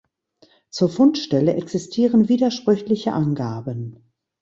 Zur Fundstelle existieren widersprüchliche Angaben.